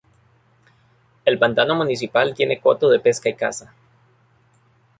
El pantano municipal tiene coto de pesca y caza.